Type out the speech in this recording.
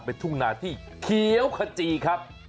เป็นทุ่งนาที่เขียวขจีครับ